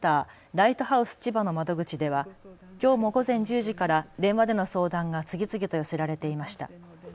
ライトハウスちばの窓口ではきょうも午前１０時から電話での相談が次々と寄せられていました。